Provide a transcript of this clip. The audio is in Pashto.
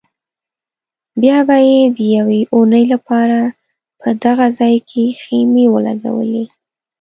بیا به یې د یوې اونۍ لپاره په دغه ځای کې خیمې ولګولې.